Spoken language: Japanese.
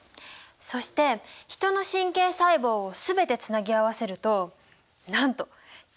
そしてヒトの神経細胞を全てつなぎ合わせるとなんと地球４周分！